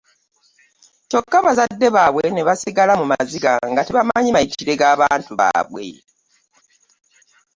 Kyokka bazadde baabwe ne basigala mu maziga nga tebamanyi mayitire g'abantu baabwe.